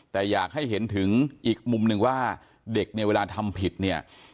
แต่อยากให้เห็นถึงอีกมุมหนึ่งว่าเด็กเนี่ยเวลาทำผิดเนี่ย